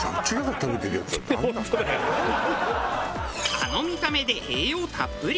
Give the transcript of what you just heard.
あの見た目で栄養たっぷり。